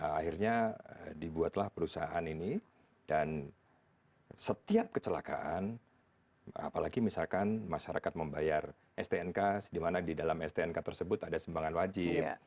akhirnya dibuatlah perusahaan ini dan setiap kecelakaan apalagi misalkan masyarakat membayar stnk di mana di dalam stnk tersebut ada sumbangan wajib